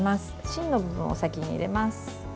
芯の部分を先に入れます。